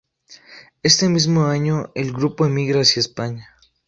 Ese mismo año el grupo emigra hacia España.